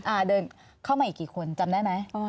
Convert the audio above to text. อ่าเดินเข้ามาอีกกี่คนจำได้ไหม